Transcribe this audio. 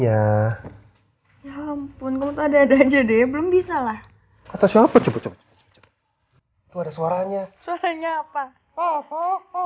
jangan lupa like share dan subscribe